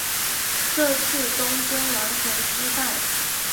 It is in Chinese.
这次东征完全失败。